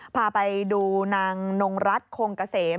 พาไปดูนางนงรัฐคงเกษม